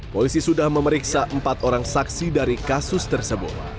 polisi sudah memeriksa empat orang saksi dari kasus tersebut